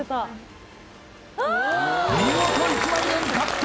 見事１万円獲得！